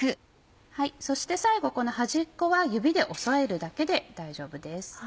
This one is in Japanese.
そして最後この端っこは指で押さえるだけで大丈夫です。